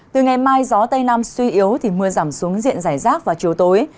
từ ngày mai gió tây nam suy yếu thì mưa giảm xuống diện giải rác vào chiều tối